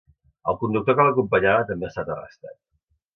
El conductor que l’acompanyava també ha estat arrestat.